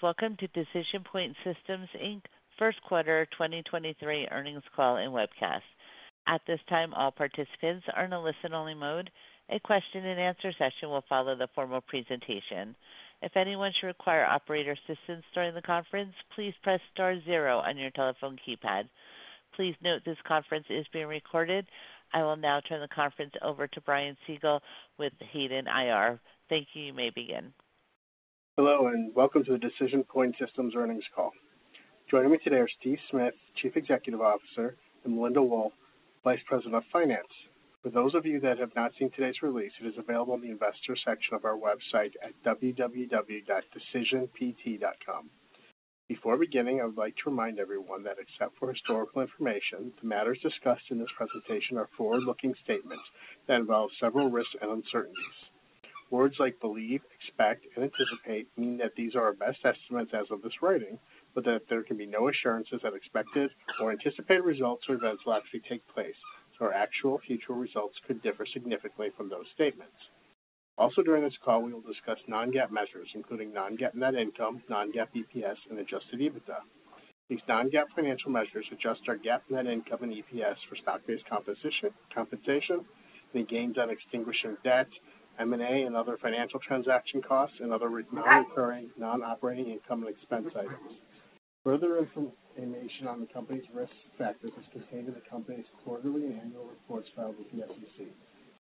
Welcome to DecisionPoint Systems, Inc. First Quarter 2023 earnings call and webcast. At this time, all participants are in a listen-only mode. A question-and-answer session will follow the formal presentation. If anyone should require operator assistance during the conference, please press star zero on your telephone keypad. Please note this conference is being recorded. I will now turn the conference over to Brian Siegel with Hayden IR. Thank you. You may begin. Hello, welcome to the DecisionPoint Systems earnings call. Joining me today are Steve Smith, Chief Executive Officer, and Melinda Wohl, Vice President of Finance. For those of you that have not seen today's release, it is available on the investor section of our website at www.decisionpt.com. Before beginning, I would like to remind everyone that, except for historical information, the matters discussed in this presentation are forward-looking statements that involve several risks and uncertainties. Words like believe, expect, and anticipate mean that these are our best estimates as of this writing, but that there can be no assurances that expected or anticipated results or events will actually take place, so our actual future results could differ significantly from those statements. During this call, we will discuss Non-GAAP measures, including Non-GAAP net income, Non-GAAP EPS and adjusted EBITDA. These Non-GAAP financial measures adjust our GAAP net income and EPS for stock-based composition, compensation, any gains on extinguishing of debt, M&A and other financial transaction costs and other non-recurring, non-operating income and expense items. Further information on the company's risk factors is contained in the company's quarterly and annual reports filed with the SEC.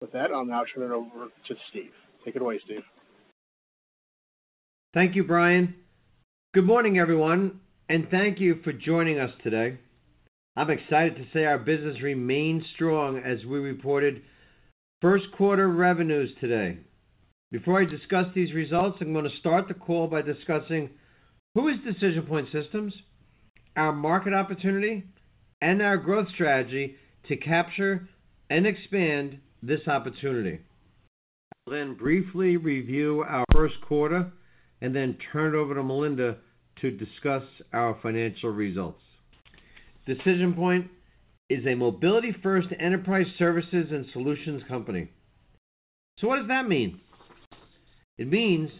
With that, I'll now turn it over to Steve. Take it away, Steve. Thank you, Brian. Good morning, everyone, thank you for joining us today. I'm excited to say our business remains strong as we reported first quarter revenues today. Before I discuss these results, I'm gonna start the call by discussing who is DecisionPoint Systems, our market opportunity, and our growth strategy to capture and expand this opportunity. I'll briefly review our first quarter and then turn it over to Melinda to discuss our financial results. DecisionPoint is a mobility-first enterprise services and solutions company. What does that mean? It means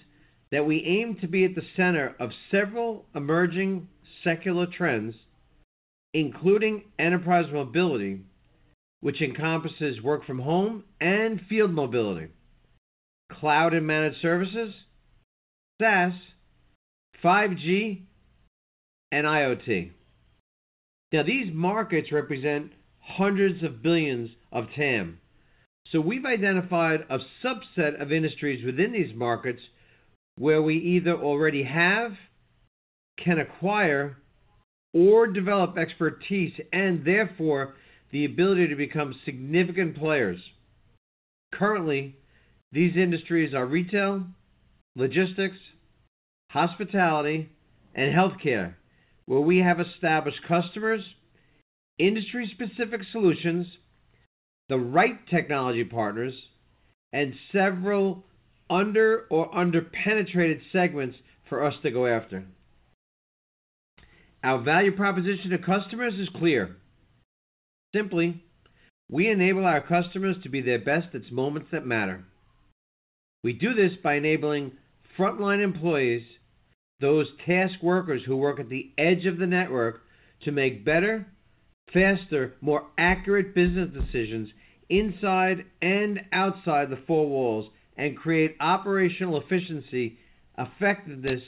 that we aim to be at the center of several emerging secular trends, including enterprise mobility, which encompasses work from home and field mobility, cloud and managed services, SaaS, 5G and IoT. These markets represent hundreds of billions of TAM. We've identified a subset of industries within these markets where we either already have, can acquire, or develop expertise and therefore the ability to become significant players. Currently, these industries are retail, logistics, hospitality, and healthcare, where we have established customers, industry-specific solutions, the right technology partners, and several under or under-penetrated segments for us to go after. Our value proposition to customers is clear. Simply, we enable our customers to be their best at moments that matter. We do this by enabling frontline employees, those task workers who work at the edge of the network to make better, faster, more accurate business decisions inside and outside the four walls and create operational efficiency, effectiveness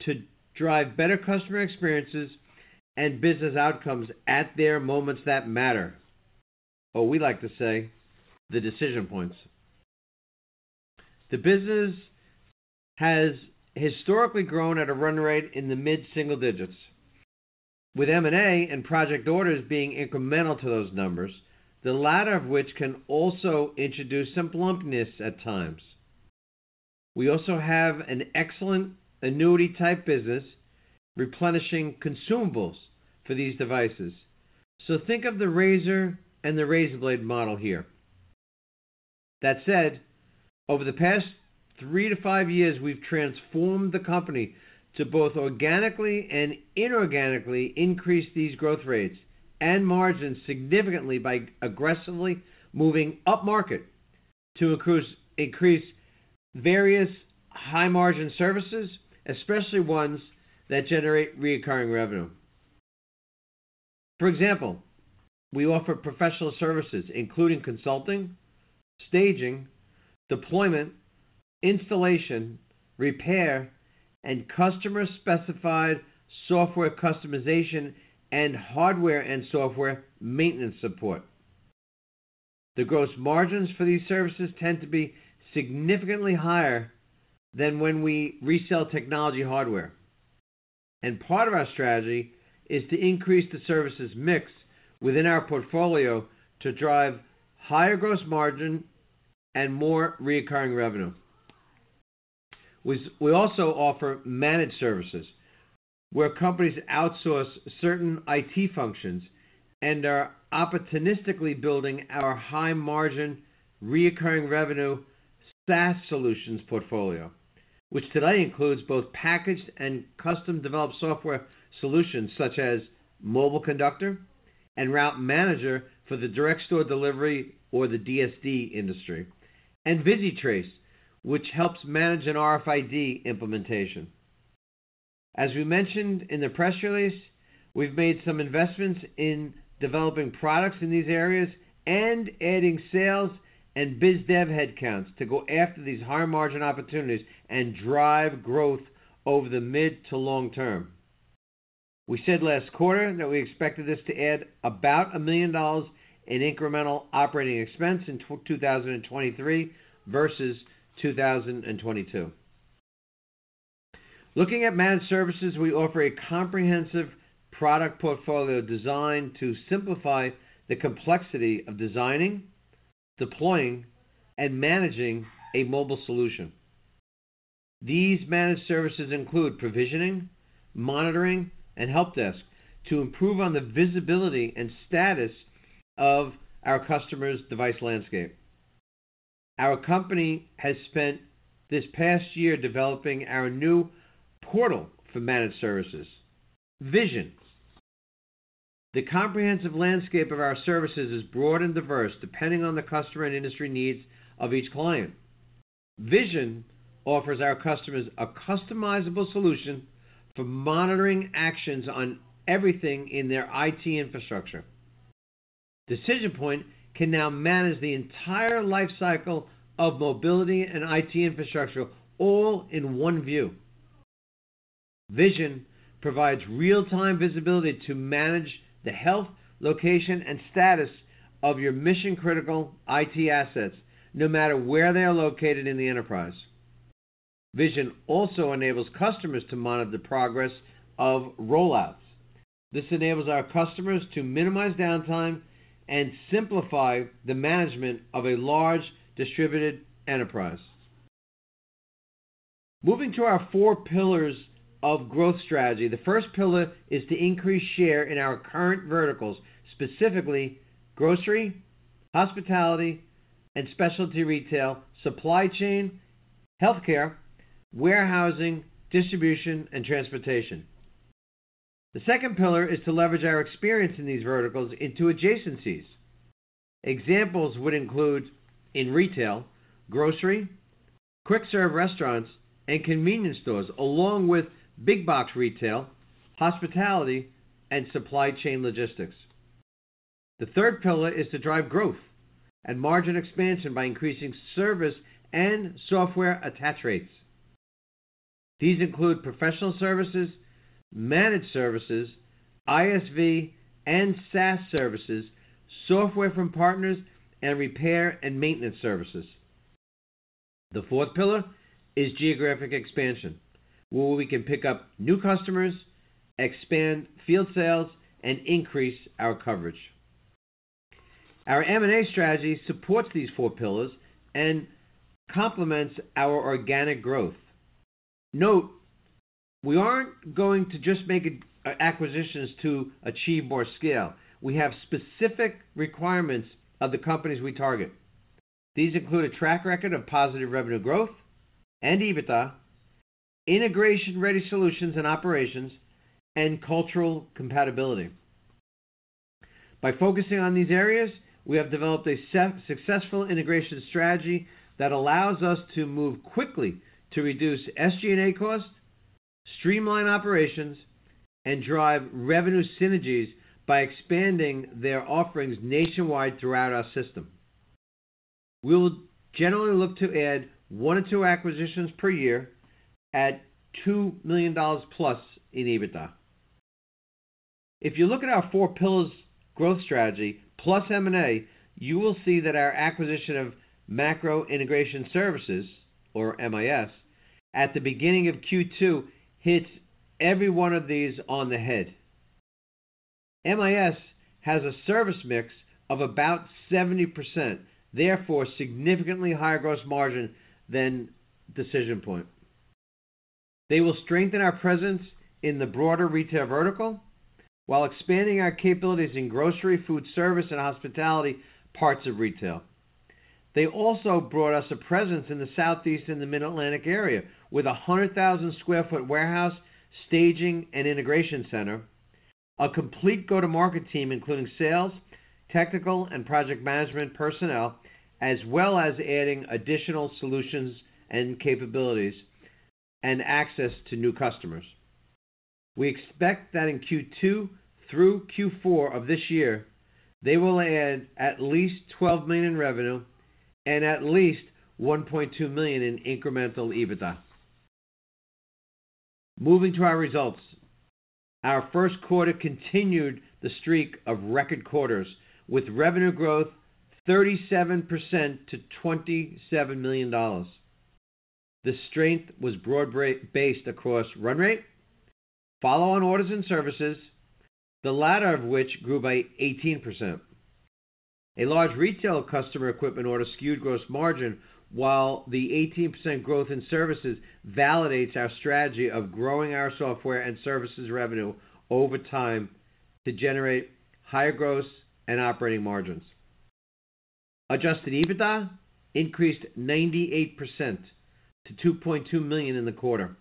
to drive better customer experiences and business outcomes at their moments that matter, or we like to say the decision points. The business has historically grown at a run rate in the mid-single digits. With M&A and project orders being incremental to those numbers, the latter of which can also introduce some lumpiness at times. We also have an excellent annuity type business replenishing consumables for these devices. Think of the razor and the razor blade model here. That said, over the past three to five years, we've transformed the company to both organically and inorganically increase these growth rates and margins significantly by aggressively moving upmarket to increase various high margin services, especially ones that generate recurring revenue. For example, we offer professional services including consulting, staging, deployment, installation, repair, and customer-specified software customization and hardware and software maintenance support. The gross margins for these services tend to be significantly higher than when we resell technology hardware, and part of our strategy is to increase the services mix within our portfolio to drive higher gross margin and more recurring revenue. We also offer managed services where companies outsource certain IT functions and are opportunistically building our high margin recurring revenue SaaS solutions portfolio, which today includes both packaged and custom-developed software solutions such as MobileConductor and Route Manager for the direct store delivery or the DSD industry. ViziTrace, which helps manage an RFID implementation. As we mentioned in the press release, we've made some investments in developing products in these areas and adding sales and biz dev headcounts to go after these higher margin opportunities and drive growth over the mid to long-term. We said last quarter that we expected this to add about $1 million in incremental operating expense in 2023 versus 2022. Looking at managed services, we offer a comprehensive product portfolio designed to simplify the complexity of designing, deploying, and managing a mobile solution. These managed services include provisioning, monitoring, and helpdesk to improve on the visibility and status of our customer's device landscape. Our company has spent this past year developing our new portal for managed services, Vision. The comprehensive landscape of our services is broad and diverse, depending on the customer and industry needs of each client. Vision offers our customers a customizable solution for monitoring actions on everything in their IT infrastructure. DecisionPoint can now manage the entire life cycle of mobility and IT infrastructure all in one view. Vision provides real-time visibility to manage the health, location, and status of your mission-critical IT assets, no matter where they are located in the enterprise. Vision also enables customers to monitor the progress of rollouts. This enables our customers to minimize downtime and simplify the management of a large distributed enterprise. Moving to our four pillars of growth strategy. The first pillar is to increase share in our current verticals, specifically grocery, hospitality, and specialty retail, supply chain, healthcare, warehousing, distribution, and transportation. The second pillar is to leverage our experience in these verticals into adjacencies. Examples would include, in retail, grocery, quick serve restaurants, and convenience stores, along with big box retail, hospitality, and supply chain logistics. The third pillar is to drive growth and margin expansion by increasing service and software attach rates. These include professional services, managed services, ISV and SaaS services, software from partners, and repair and maintenance services. The fourth pillar is geographic expansion, where we can pick up new customers, expand field sales, and increase our coverage. Our M&A strategy supports these four pillars and complements our organic growth. Note, we aren't going to just make acquisitions to achieve more scale. We have specific requirements of the companies we target. These include a track record of positive revenue growth and EBITDA, integration-ready solutions and operations, and cultural compatibility. By focusing on these areas, we have developed a successful integration strategy that allows us to move quickly to reduce SG&A costs, streamline operations, and drive revenue synergies by expanding their offerings nationwide throughout our system. We will generally look to add one to two acquisitions per year at $2 million+ in EBITDA. If you look at our four pillars growth strategy plus M&A, you will see that our acquisition of Macro Integration Services, or MIS, at the beginning of Q2 hits every one of these on the head. MIS has a service mix of about 70%, therefore significantly higher gross margin than DecisionPoint. They will strengthen our presence in the broader retail vertical while expanding our capabilities in grocery, food service, and hospitality parts of retail. They also brought us a presence in the Southeast and the Mid-Atlantic area with a 100,000 sq ft warehouse staging and integration center, a complete go-to-market team, including sales, technical, and project management personnel, as well as adding additional solutions and capabilities and access to new customers. We expect that in Q2 through Q4 of this year, they will add at least $12 million in revenue and at least $1.2 million in incremental EBITDA. Moving to our results. Our first quarter continued the streak of record quarters, with revenue growth 37% to $27 million. The strength was broad-based across run rate, follow-on orders and services, the latter of which grew by 18%. A large retail customer equipment order skewed gross margin, while the 18% growth in services validates our strategy of growing our software and services revenue over time to generate higher gross and operating margins. Adjusted EBITDA increased 98% to $2.2 million in the quarter.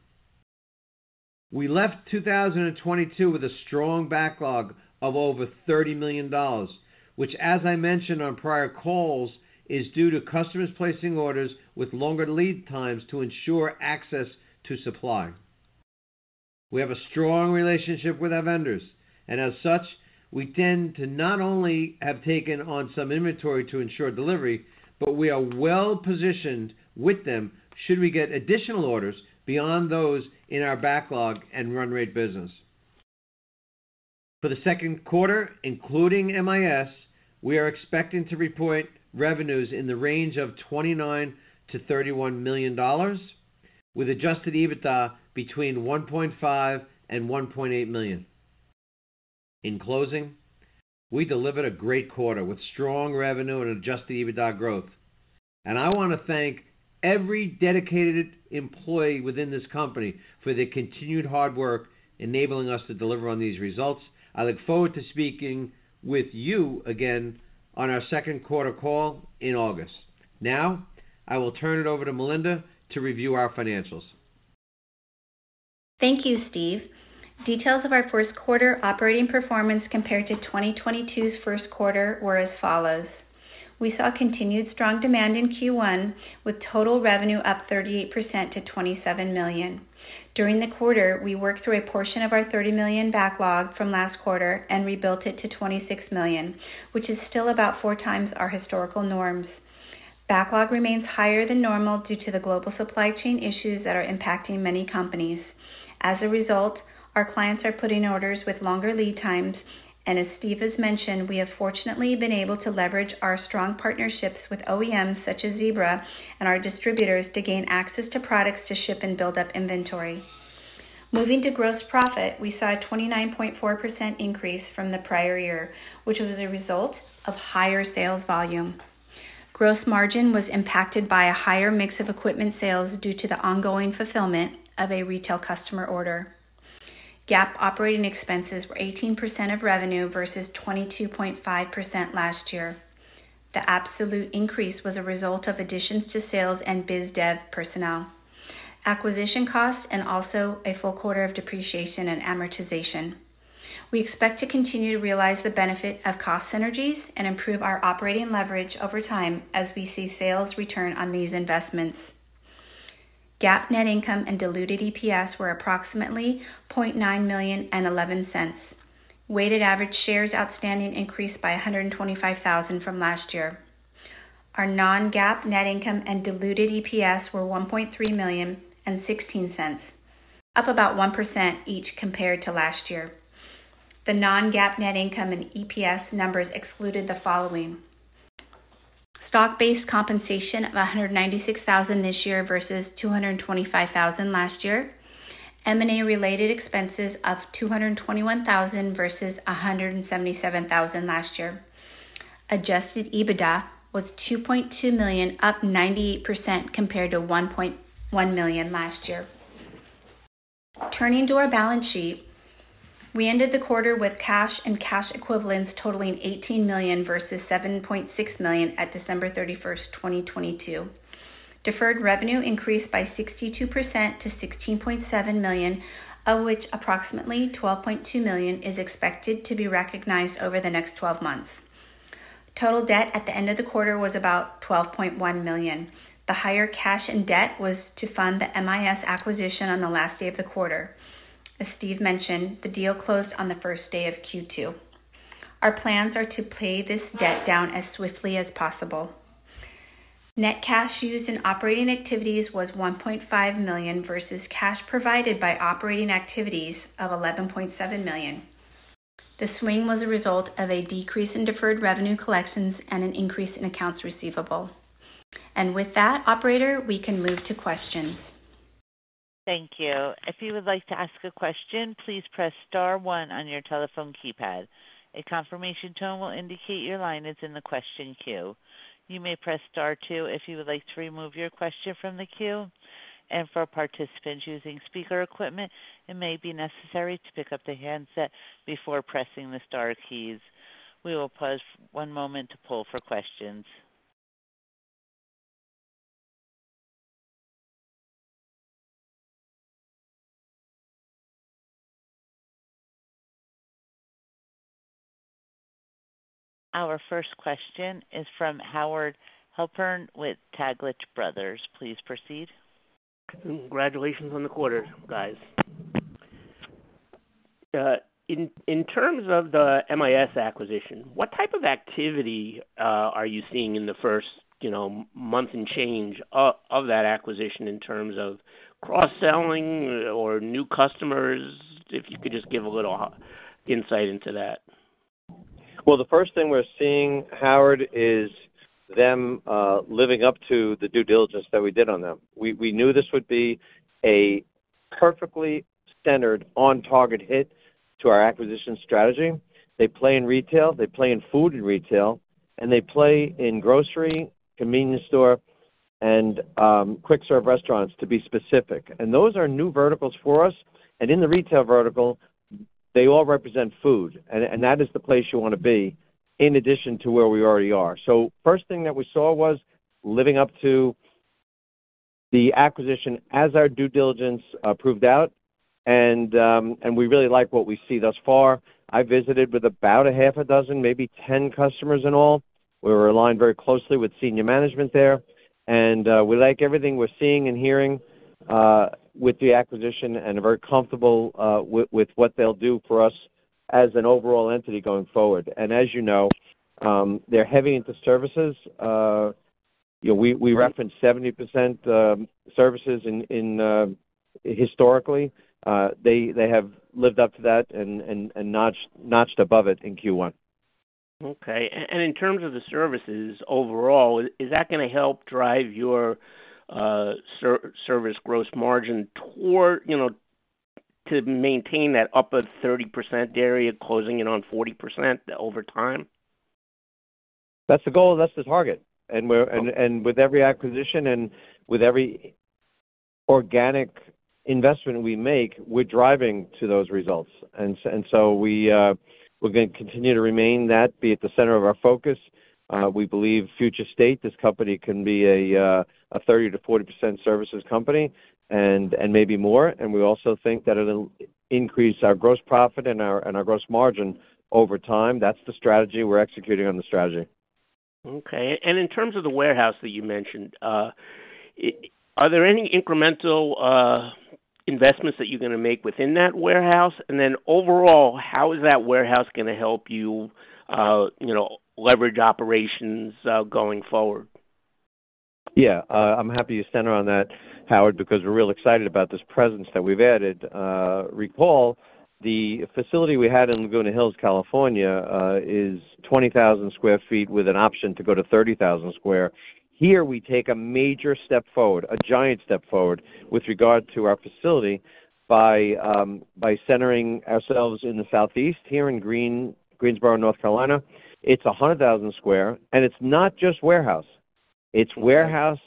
We left 2022 with a strong backlog of over $30 million, which as I mentioned on prior calls, is due to customers placing orders with longer lead times to ensure access to supply. We have a strong relationship with our vendors, as such, we tend to not only have taken on some inventory to ensure delivery, but we are well-positioned with them should we get additional orders beyond those in our backlog and run rate business. For the second quarter, including MIS, we are expecting to report revenues in the range of $29 million-$31 million, with adjusted EBITDA between $1.5 million and $1.8 million. In closing, we delivered a great quarter with strong revenue and adjusted EBITDA growth. I want to thank every dedicated employee within this company for their continued hard work, enabling us to deliver on these results. I look forward to speaking with you again on our second quarter call in August. I will turn it over to Melinda to review our financials. Thank you, Steve. Details of our first quarter operating performance compared to 2022's first quarter were as follows. We saw continued strong demand in Q1 with total revenue up 38% to $27 million. During the quarter, we worked through a portion of our $30 million backlogs from last quarter and rebuilt it to $26 million, which is still about four times our historical norms. Backlog remains higher than normal due to the global supply chain issues that are impacting many companies. As a result, our clients are putting orders with longer lead times. As Steve has mentioned, we have fortunately been able to leverage our strong partnerships with OEMs such as Zebra and our distributors to gain access to products to ship and build up inventory. Moving to gross profit, we saw a 29.4% increase from the prior year, which was a result of higher sales volume. Gross margin was impacted by a higher mix of equipment sales due to the ongoing fulfillment of a retail customer order. GAAP operating expenses were 18% of revenue versus 22.5% last year. The absolute increase was a result of additions to sales and biz dev personnel, acquisition costs, and also a full quarter of depreciation and amortization. We expect to continue to realize the benefit of cost synergies and improve our operating leverage over time as we see sales return on these investments. GAAP net income and diluted EPS were approximately $0.9 million and $0.11. Weighted average shares outstanding increased by 125,000 from last year. Our Non-GAAP net income and diluted EPS were $1.3 million and $0.16, up about 1% each compared to last year. The Non-GAAP net income and EPS numbers excluded the following: Stock-based compensation of $196,000 this year versus $225,000 last year. M&A-related expenses of $221,000 versus $177,000 last year. Adjusted EBITDA was $2.2 million, up 90% compared to $1.1 million last year. Turning to our balance sheet, we ended the quarter with cash and cash equivalents totaling $18 million versus $7.6 million at December 31, 2022. Deferred revenue increased by 62% to $16.7 million, of which approximately $12.2 million is expected to be recognized over the next 12 months. Total debt at the end of the quarter was about $12.1 million. The higher cash and debt was to fund the MIS acquisition on the last day of the quarter. As Steve mentioned, the deal closed on the first day of Q2. Our plans are to pay this debt down as swiftly as possible. Net cash used in operating activities was $1.5 million versus cash provided by operating activities of $11.7 million. The swing was a result of a decrease in deferred revenue collections and an increase in accounts receivable. With that operator, we can move to questions. Thank you. If you would like to ask a question, please press star one on your telephone keypad. A confirmation tone will indicate your line is in the question queue. You may press star two if you would like to remove your question from the queue. For participants using speaker equipment, it may be necessary to pick up the handset before pressing the star keys. We will pause one moment to pull for questions. Our first question is from Howard Halpern with Taglich Brothers. Please proceed. Congratulations on the quarter, guys. In, in terms of the MIS acquisition, what type of activity are you seeing in the first, you know, month and change of that acquisition in terms of cross-selling or new customers? If you could just give a little insight into that. Well, the first thing we're seeing, Howard, is them living up to the due diligence that we did on them. We knew this would be a perfectly centered on target hit to our acquisition strategy. They play in retail, they play in food and retail, and they play in grocery, convenience store, and quick serve restaurants to be specific. Those are new verticals for us. In the retail vertical, they all represent food, and that is the place you want to be. In addition to where we already are. First thing that we saw was living up to the acquisition as our due diligence proved out. We really like what we see thus far. I visited with about a half a dozen, maybe 10 customers in all. We were aligned very closely with senior management there. We like everything we're seeing and hearing with the acquisition and are very comfortable with what they'll do for us as an overall entity going forward. As you know, they're heavy into services. We referenced 70% services historically. They have lived up to that and notched above it in Q1. Okay. In terms of the services overall, is that gonna help drive your service gross margin toward, you know, to maintain that upper 30% area, closing in on 40% over time? That's the goal, that's the target. With every acquisition and with every organic investment we make, we're driving to those results. We're gonna continue to remain that, be at the center of our focus. We believe future state, this company can be a 30% to 40% services company and maybe more. We also think that it'll increase our gross profit and our gross margin over time. That's the strategy. We're executing on the strategy. Okay. In terms of the warehouse that you mentioned, are there any incremental investments that you're gonna make within that warehouse? Overall, how is that warehouse gonna help you know, leverage operations, going forward? Yeah. I'm happy to center on that, Howard, because we're real excited about this presence that we've added. Recall the facility we had in Laguna Hills, California, is 20,000 sq ft with an option to go to 30,000 sq ft. Here we take a major step forward, a giant step forward with regard to our facility by centering ourselves in the southeast here in Greensboro, North Carolina. It's 100,000 sq ft, and it's not just warehouse. It's warehouse,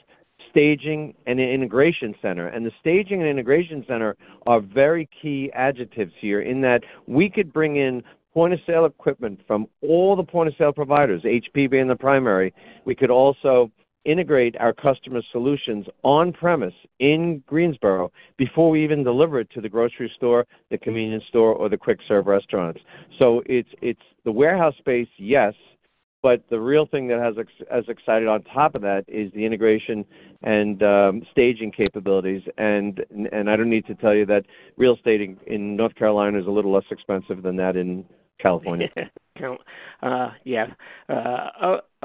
staging, and an integration center. The staging and integration center are very key adjectives here in that we could bring in point-of-sale equipment from all the point-of-sale providers, HP being the primary. We could also integrate our customer solutions on premise in Greensboro before we even deliver it to the grocery store, the convenience store, or the quick serve restaurants. It's the warehouse space, yes, but the real thing that has as excited on top of that is the integration and staging capabilities. I don't need to tell you that real estate in North Carolina is a little less expensive than that in California. Yeah.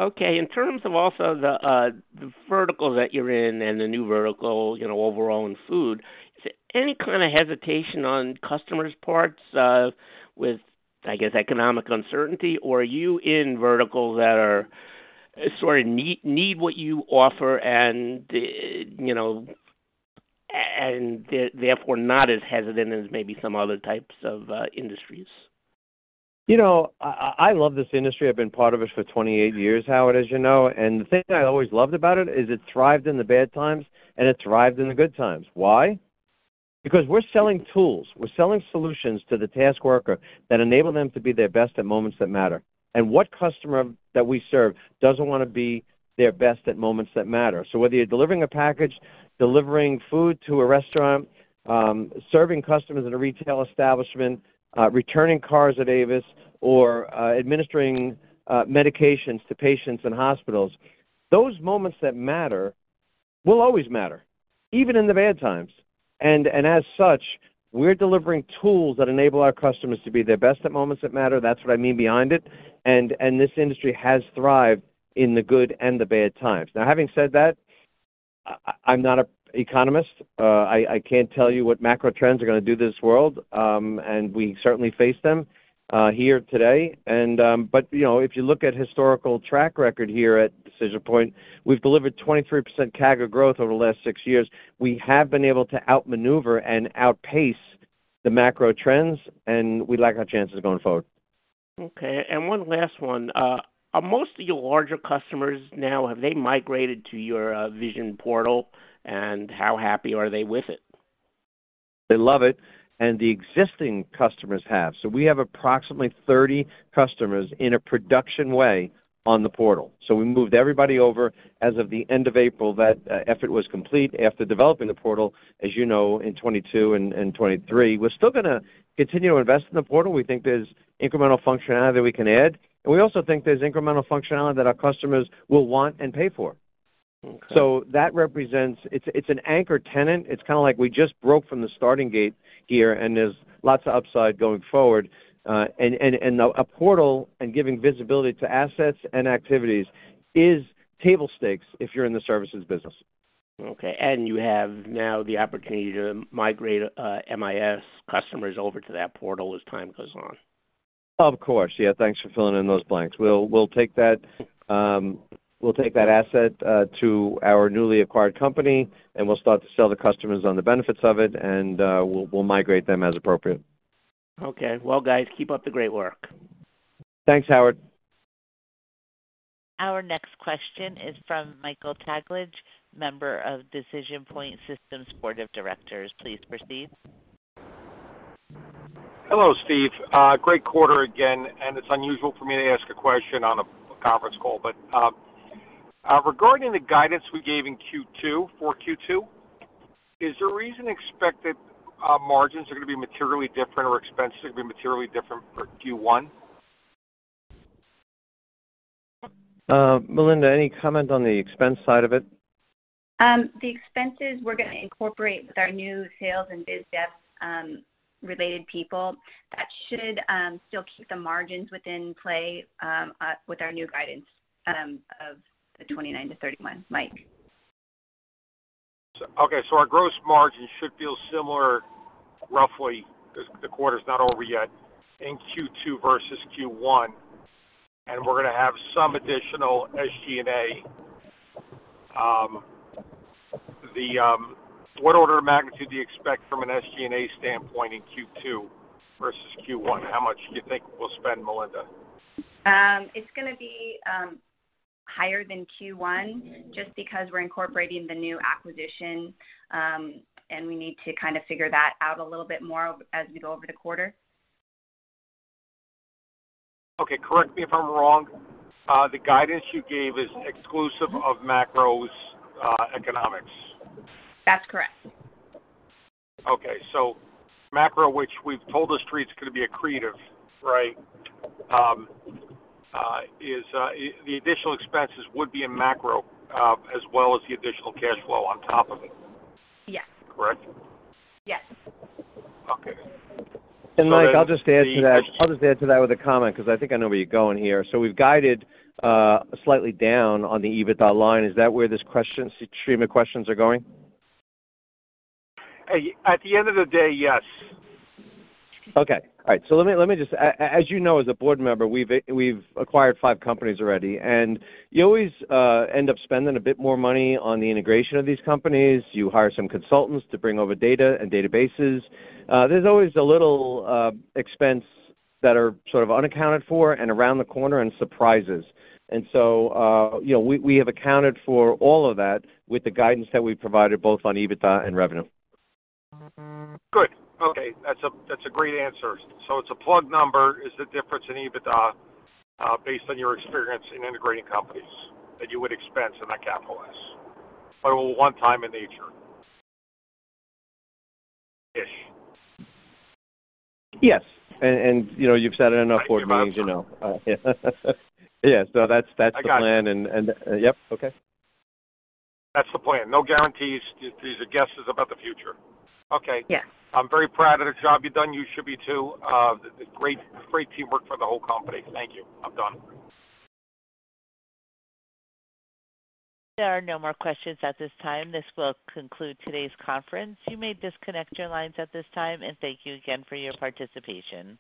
Okay. In terms of also the vertical that you're in and the new vertical, you know, overall in food, is there any kind of hesitation on customers' parts with, I guess, economic uncertainty? Or are you in verticals that are sort of need what you offer and, you know, and therefore not as hesitant as maybe some other types of industries? You know, I love this industry. I've been part of it for 28 years, Howard, as you know. The thing I always loved about it is it thrived in the bad times, and it thrived in the good times. Why? Because we're selling tools. We're selling solutions to the task worker that enable them to be their best at moments that matter. What customer that we serve doesn't wanna be their best at moments that matter? Whether you're delivering a package, delivering food to a restaurant, serving customers at a retail establishment, returning cars at Avis, or administering medications to patients in hospitals, those moments that matter will always matter, even in the bad times. As such, we're delivering tools that enable our customers to be their best at moments that matter. That's what I mean behind it. This industry has thrived in the good and the bad times. Now, having said that, I'm not an economist. I can't tell you what macro trends are gonna do to this world. We certainly face them here today. You know, if you look at historical track record here at Decision Point, we've delivered 23% CAGR growth over the last six years. We have been able to outmaneuver and outpace the macro trends, and we like our chances going forward. Okay. One last one. Most of your larger customers now, have they migrated to your Vision Portal? How happy are they with it? They love it, and the existing customers have. We have approximately 30 customers in a production way on the portal. We moved everybody over. As of the end of April, that effort was complete after developing the portal, as you know, in 2022 and 2023. We're still gonna continue to invest in the portal. We think there's incremental functionality that we can add, and we also think there's incremental functionality that our customers will want and pay for. Okay. It's an anchor tenant. It's kind of like we just broke from the starting gate here, and there's lots of upside going forward. A portal and giving visibility to assets and activities is table stakes if you're in the services business. Okay. You have now the opportunity to migrate, MIS customers over to that portal as time goes on. Of course. Yeah. Thanks for filling in those blanks. We'll take that asset to our newly acquired company, and we'll start to sell the customers on the benefits of it, and we'll migrate them as appropriate. Okay. Well, guys, keep up the great work. Thanks, Howard. Our next question is from Michael Taglich, member of DecisionPoint Systems Board of Directors. Please proceed. Hello, Steve. Great quarter again, and it's unusual for me to ask a question on a conference call. Regarding the guidance we gave in Q2 for Q2, is there a reason expected, margins are gonna be materially different or expenses are gonna be materially different for Q1? Melinda, any comment on the expense side of it? The expenses we're gonna incorporate with our new sales and biz dev related people. That should still keep the margins within play with our new guidance of the 29%-31%, Mike. Okay. Our gross margin should feel similar roughly, 'cause the quarter's not over yet, in Q2 versus Q1, and we're gonna have some additional SG&A. What order of magnitude do you expect from an SG&A standpoint in Q2 versus Q1? How much do you think we'll spend, Melinda? It's gonna be higher than Q1 just because we're incorporating the new acquisition, and we need to kinda figure that out a little bit more as we go over the quarter. Correct me if I'm wrong. The guidance you gave is exclusive of Macro's economics. That's correct. Macro, which we've told The Street it's gonna be accretive, right? is the additional expenses would be in Macro, as well as the additional cash flow on top of it. Yes. Correct? Yes. Okay. Then the- Mike, I'll just add to that with a comment 'cause I think I know where you're going here. We've guided slightly down on the EBITDA line. Is that where this stream of questions are going? At the end of the day, yes. Okay. All right. As you know, as a board member, we've acquired five companies already, and you always end up spending a bit more money on the integration of these companies. You hire some consultants to bring over data and databases. There's always a little expense that are sort of unaccounted for and around the corner and surprises. you know, we have accounted for all of that with the guidance that we provided both on EBITDA and revenue. Good. Okay. That's a great answer. It's a plug number is the difference in EBITDA, based on your experience in integrating companies that you would expense and not capitalize but one time in nature-ish. Yes. You know, you've sat in enough board meetings, you know. Yeah. That's the plan. I got it. Yep. Okay. That's the plan. No guarantees. These are guesses about the future. Okay. Yes. I'm very proud of the job you've done. You should be too. Great teamwork for the whole company. Thank you. I'm done. There are no more questions at this time. This will conclude today's conference. You may disconnect your lines at this time. Thank you again for your participation.